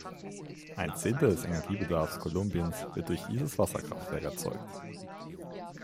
Ein Zehntel des Energiebedarfs Kolumbiens wird durch dieses Wasserkraftwerk erzeugt.